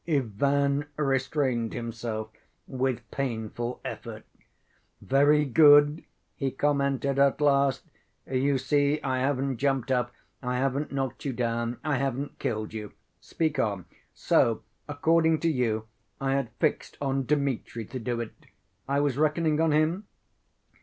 Ivan restrained himself with painful effort. "Very good," he commented at last. "You see, I haven't jumped up, I haven't knocked you down, I haven't killed you. Speak on. So, according to you, I had fixed on Dmitri to do it; I was reckoning on him?"